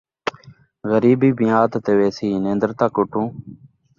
غریبی میاد تے ویسی ، نن٘در تاں کٹوں